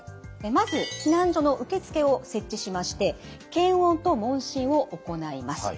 まず避難所の受付を設置しまして検温と問診を行います。